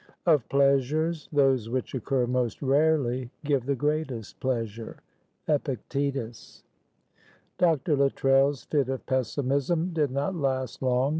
"Of pleasures, those which occur most rarely give the greatest pleasure." Epictetus. Dr. Luttrell's fit of pessimism did not last long.